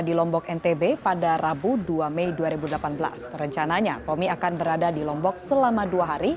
di lombok ntb pada rabu dua mei dua ribu delapan belas rencananya tommy akan berada di lombok selama dua hari